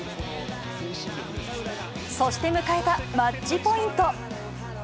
そして迎えたマッチポイント。